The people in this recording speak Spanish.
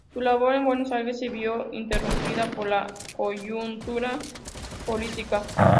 Su labor en Buenos Aires se vio interrumpida por la coyuntura política.